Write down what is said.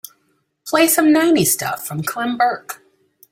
Play some nineties stuff from Clem Burke.